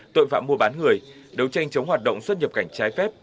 tội phạm mua bán người đấu tranh chống hoạt động xuất nhập cảnh trái phép